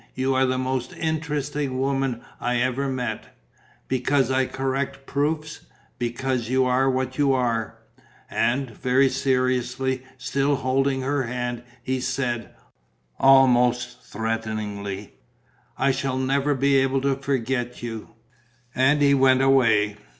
You are the most interesting woman I ever met." "Because I correct proofs." "Because you are what you are." And, very seriously, still holding her hand he said, almost threateningly: "I shall never be able to forget you." And he went away.